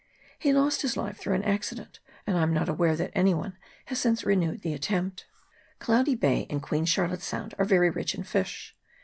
He lost his life through an accident, and I am not aware that any one has since renewed the attempt. Cloudy Bay and Queen Charlotte's Sound are very rich in fish.